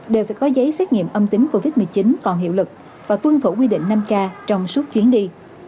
đều phải có giấy xét nghiệm âm tính covid một mươi chín còn hiệu lực và tuân thủ quy định năm k trong suốt chuyến đi